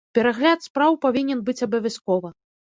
Перагляд спраў павінен быць абавязкова.